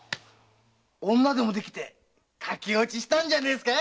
女でもできて駆け落ちしたんじゃねえっすか？